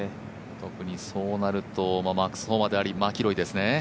特にそうなると、マックス・ホマであり、マキロイですね。